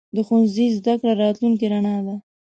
د ښوونځي زده کړه راتلونکې رڼا ده.